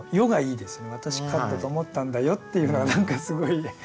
「わたし勝ったと思ったんだよ」っていうのが何かすごい。